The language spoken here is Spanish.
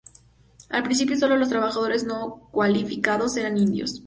Al principio, sólo los trabajadores no cualificados eran indios.